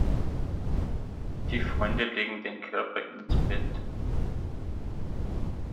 Die Freunde legen den Körper ins Bett.